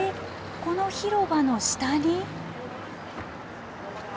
この広場の下に？